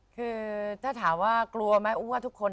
คือถ้าถามว่ากลัวไหมอุ้มว่าทุกคน